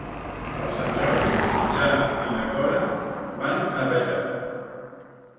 Per Sant Jordi en Jan i na Cora van a Bétera.